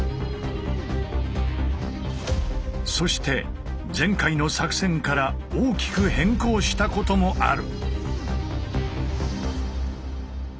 そして前回の作戦から大きく変更したこともある。